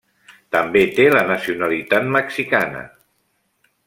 També té la nacionalitat mexicana.